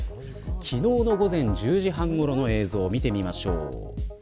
昨日の午前１０時半ごろの映像を見てみましょう。